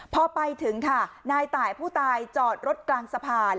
พอไปถึงค่ะนายตายผู้ตายจอดรถกลางสะพาน